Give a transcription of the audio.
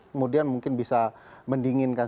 kemudian mungkin bisa mendinginkan